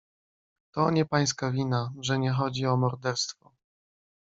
"To nie pańska wina, że nie chodzi o morderstwo."